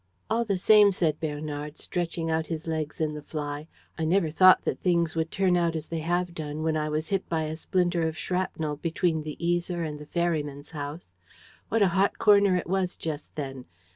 "All the same," said Bernard, stretching out his legs in the fly, "I never thought that things would turn out as they have done when I was hit by a splinter of shrapnel between the Yser and the ferryman's house. What a hot corner it was just then!